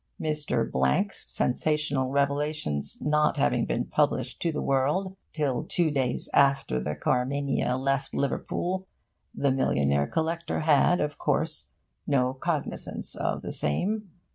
Mr. Blank's sensational revelations not having been published to the world till two days after the Carmania left Liverpool, the millionaire collector had, of course, no cognisance of the same.